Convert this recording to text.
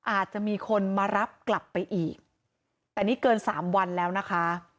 อาจจะมีคนมารับกลับไปอีกแต่นี่เกินสามวันแล้วนะคะ